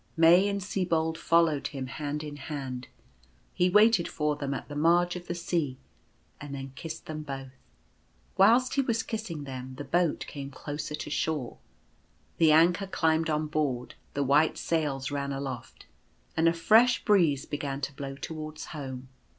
May and Sibold followed him hand in hand. He waited for them at the marge of the sea and then kissed them both. Whilst he was kissing them, the boat came close to shore ; the anchor climbed on board ; the white sails ran aloft, and a fresh breeze began to blow towards home.